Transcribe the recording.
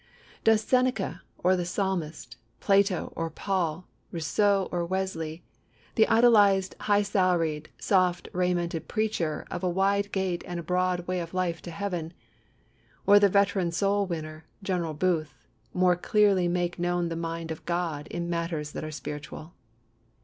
Does Seneca or the Psalmist, Plato or Paul, Rousseau or Wesley, the idolised, high salaried, soft raimented preacher of a wide gate and broad way to life and Heaven, or the veteran soul winner, General Booth, more clearly make known the mind of God in matters that are spiritual?